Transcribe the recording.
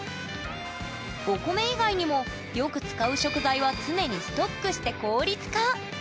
お米以外にもよく使う食材は常にストックして効率化！